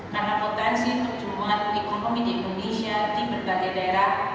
karena potensi pertumbuhan ekonomi di indonesia di berbagai daerah